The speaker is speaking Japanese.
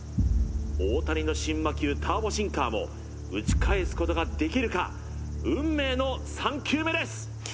大谷の新魔球ターボシンカーも打ち返すことができるか運命の３球目です